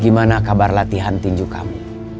gimana kabar latihan tinjuk kamu